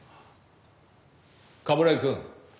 冠城くん。